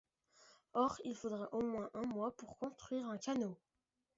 Or, il faudrait au moins un mois pour construire un canot…